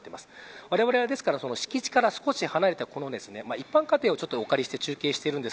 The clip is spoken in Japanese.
われわれは敷地から少し離れた一般家庭をお借りして中継しています。